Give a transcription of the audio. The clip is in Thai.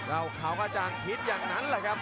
แล้วเขาก็จะคิดอย่างนั้นแหละครับ